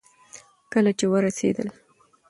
کله چې ورسېدل